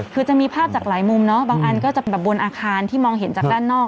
คือจะมีภาพจากหลายมุมเนาะบางอันก็จะแบบบนอาคารที่มองเห็นจากด้านนอก